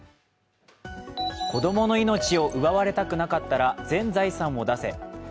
子供の命を奪われたくなかったら全財産を出せ。